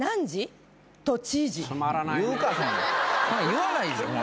言わないでしょ。